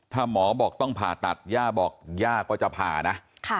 ถ้าหมอบอกต้องผ่าตัดย่าบอกย่าก็จะผ่านะ